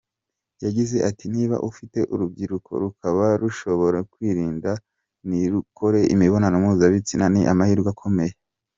Yagize ati “Niba ufite urubyiruko rukaba rushobora kwirinda ntirukore imibonano mpuzabitsina ni amahirwe akomeye.